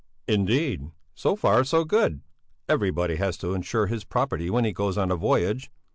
"Indeed! So far so good; everybody has to insure his property when he goes on a voyage.